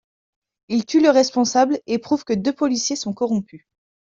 Il tue le responsable, et prouve que deux policiers sont corrompus.